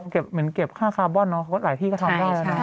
ว่าเหมือนเก็บค่าคาร์บอนหลายที่ก็ได้